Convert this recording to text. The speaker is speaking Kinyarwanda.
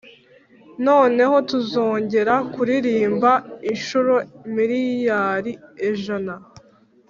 noneho tuzongera kuririmba inshuro miliyari ijana!